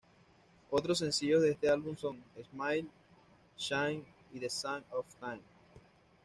Otros sencillos de este álbum son: "Smile 'n' Shine" y "The Sands Of Time".